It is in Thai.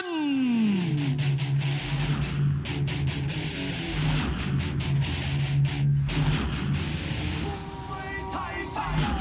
นะครับ